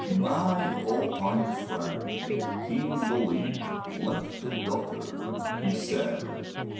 ''My old time friend. King Bele, left a daughter,'* he said.